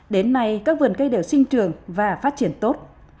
đến nay các vườn cây đều sinh trường và phát triển tốt